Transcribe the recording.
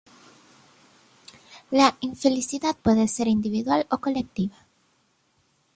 La infelicidad puede ser individual o colectiva.